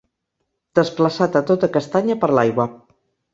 Desplaçat a tota castanya per l'aigua.